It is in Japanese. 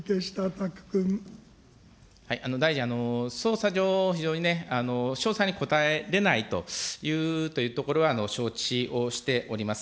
大臣、捜査上、非常に、詳細に答えれないというところは承知をしております。